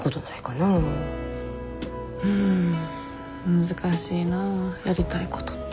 うん難しいなやりたいことって。